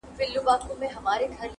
چا ته دم چا ته دوا د رنځ شفا سي.